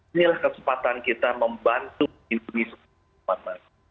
inilah kesempatan kita membantu melindungi semua kekuatan